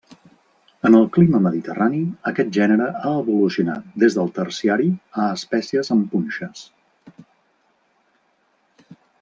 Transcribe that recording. En el clima mediterrani aquest gènere ha evolucionat des del Terciari a espècies amb punxes.